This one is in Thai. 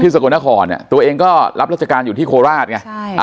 สกลนครเนี่ยตัวเองก็รับราชการอยู่ที่โคราชไงใช่